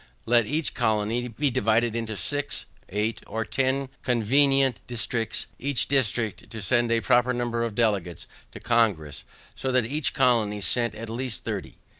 Let each colony be divided into six, eight, or ten, convenient districts, each district to send a proper number of delegates to Congress, so that each colony send at least thirty.